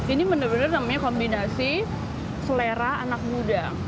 ini bener bener namanya kombinasi selera anak muda